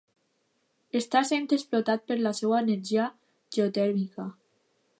Està sent explotat per la seva energia geotèrmica.